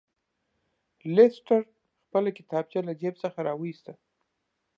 لیسټرډ خپله کتابچه له جیب څخه راویسته.